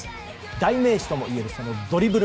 代名詞ともいえるそのドリブル。